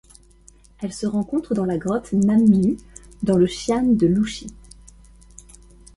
Elle se rencontre dans la grotte Nanmu dans le xian de Luxi.